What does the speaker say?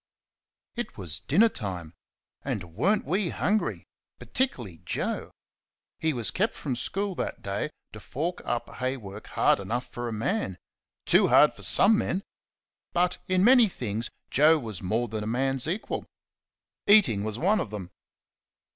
It was dinner time. And were n't we hungry! particularly Joe! He was kept from school that day to fork up hay work hard enough for a man too hard for some men but in many things Joe was more than a man's equal. Eating was one of them.